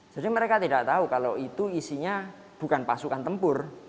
jadi mereka tidak tahu kalau itu isinya bukan pasukan tempur